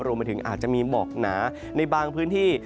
มาถึงอาจจะมีหมอกหนาในบางพื้นที่